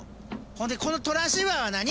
ほんでこのトランシーバーは何？